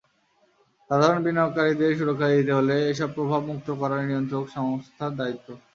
সাধারণ বিনিয়োগকারীদের সুরক্ষা দিতে হলে এসব প্রভাব মুক্ত করা নিয়ন্ত্রক সংস্থার দায়িত্ব।